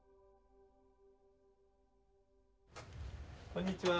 こんにちは。